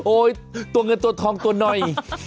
ตัวเงินตัวทองตัวน้อย